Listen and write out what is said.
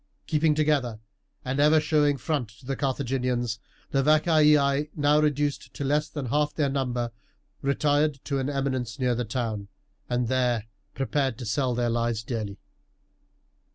Keeping together, and ever showing front to the Carthaginians, the Vacaei, now reduced to less than half their number, retired to an eminence near the town, and there prepared to sell their lives dearly.